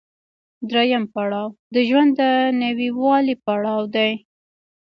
درېیم پړاو د ژوند د نويوالي پړاو دی